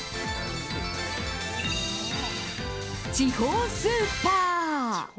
地方スーパー！